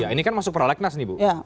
ini kan masuk prolegnas nih bu